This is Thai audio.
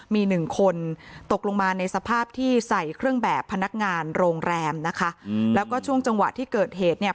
มีหนึ่งคนตกลงมาในสภาพที่ใส่เครื่องแบบพนักงานโรงแรมนะคะแล้วก็ช่วงจังหวะที่เกิดเหตุเนี่ย